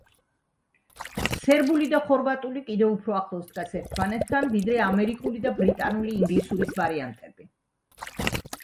სერბული და ხორვატული კიდევ უფრო ახლოს დგას ერთმანეთთან ვიდრე ამერიკული და ბრიტანული ინგლისურის ვარიანტები.